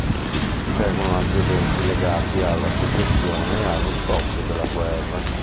Seguono altri eventi legati alla secessione e allo scoppio della guerra.